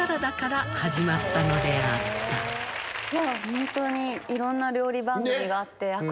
ホントにいろんな料理番組があって。